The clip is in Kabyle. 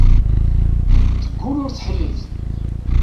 Teggull ur teḥnit.